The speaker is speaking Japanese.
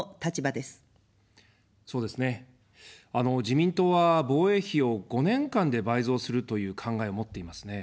自民党は防衛費を５年間で倍増するという考えを持っていますね。